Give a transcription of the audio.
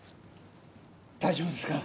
大丈夫ですか！？